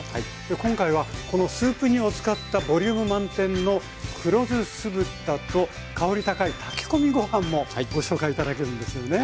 今回はこのスープ煮を使ったボリューム満点の黒酢酢豚と香り高い炊き込みご飯もご紹介頂けるんですよね。